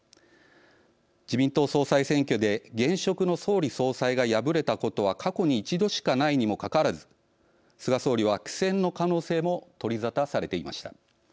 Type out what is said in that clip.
自民党総裁選挙で現職の総理・総裁が敗れたことは過去に１度しかないにもかかわらず菅総理は苦戦の可能性も取りざたされていました。